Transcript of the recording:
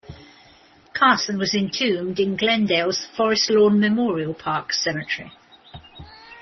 Carson was entombed in Glendale's Forest Lawn Memorial Park Cemetery.